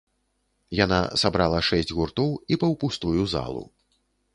Яна сабрала шэсць гуртоў і паўпустую залу.